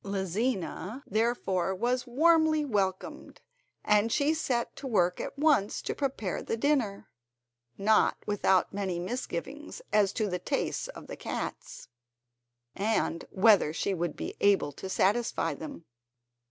Lizina therefore was warmly welcomed, and she set to work at once to prepare the dinner, not without many misgivings as to the tastes of the cats, and whether she would be able to satisfy them.